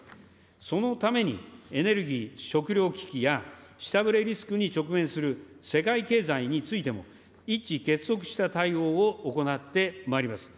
そのために、エネルギー・食料危機や、下振れリスクに直面する世界経済についても、一致結束した対応を行ってまいります。